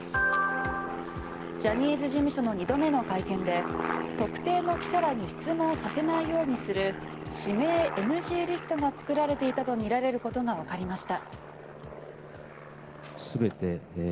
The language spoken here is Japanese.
ジャニーズ事務所の２度目の会見で特定の記者らに質問させないようにする指名ＮＧリストが作られていたとみられることがわかりました。